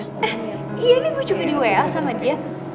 eh iya nih gue juga di wa sama dia